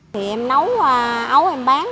thì em nấu ấu em bán